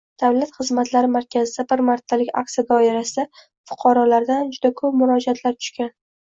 Davlat xizmatlari markaziga bir martalik aksiya doirasida fuqarolardan juda ko`p murojaatlar tushgan.